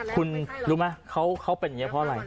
คุณรู้ไหมเขาเป็นอย่างนี้เพราะอะไร